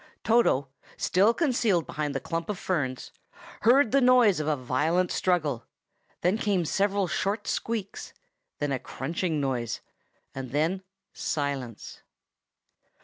Toto, still concealed behind the clump of ferns, heard the noise of a violent struggle; then came several short squeaks; then a crunching noise; and then silence.